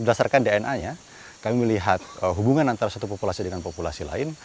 berdasarkan dna nya kami melihat hubungan antara satu populasi dengan populasi lain